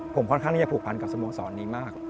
ผมค่อนข้างที่จะผูกพันกับสโมสรนี้มาก